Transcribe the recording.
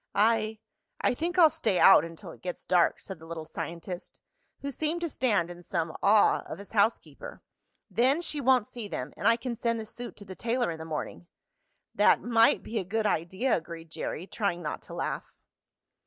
"I I think I'll stay out until it gets dark," said the little scientist, who seemed to stand in some awe of his housekeeper. "Then she won't see them, and I can send the suit to the tailor in the morning." "That might be a good idea," agreed Jerry, trying not to laugh.